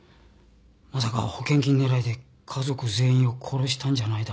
まさか保険金狙いで家族全員を殺したんじゃないだろうな？